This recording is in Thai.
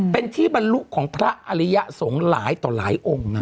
เป็นที่บรรลุของพระอริยสงฆ์หลายต่อหลายองค์นะ